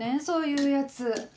そういうやつ。